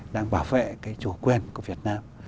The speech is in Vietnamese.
đang bảo vệ cái chủ quyền của việt nam